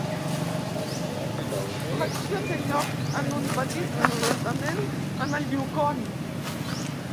L'acció té lloc en un petit assentament en el Yukon.